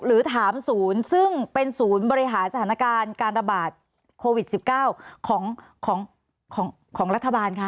หรือถามศูนย์ซึ่งเป็นศูนย์บริหารสถานการณ์การระบาดโควิดสิบเก้าของของของของรัฐบาลค่ะ